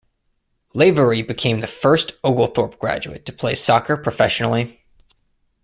Lavery became the first Oglethorpe graduate to play soccer professionally.